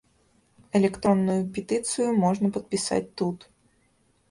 Электронную петыцыю можна падпісаць тут.